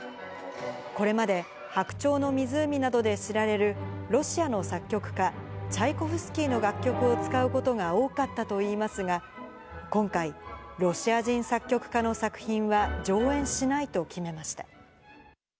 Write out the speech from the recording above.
これまで、白鳥の湖などで知られるロシアの作曲家、チャイコフスキーの楽曲を使うことが多かったといいますが、今回、ロシア人作曲家の作品は、上演しないと決めました。